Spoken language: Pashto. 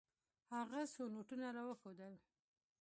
هغه څو نوټونه راوښودل.